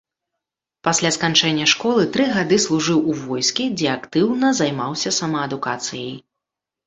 Пасля сканчэння школы тры гады служыў у войскі, дзе актыўна займаўся самаадукацыяй.